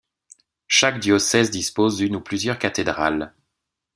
Chaque diocèse dispose d'une ou plusieurs cathédrales.